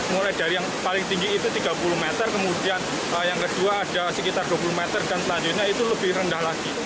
mulai dari yang paling tinggi itu tiga puluh meter kemudian yang kedua ada sekitar dua puluh meter dan selanjutnya itu lebih rendah lagi